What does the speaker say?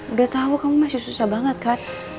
udah tau kamu masih susah banget kak